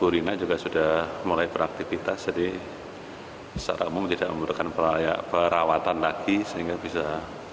bu rina juga sudah mulai beraktivitas jadi secara umum tidak membutuhkan perawatan lagi sehingga bisa